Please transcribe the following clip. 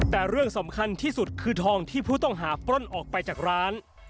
แต่เรื่องสำคัญที่สุดคือทองที่ผู้ต้องหาปล้นออกไปจากร้าน